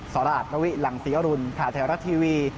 สวัสดีครับนวิหลังศรีอรุณขาดแถวรัฐทีวี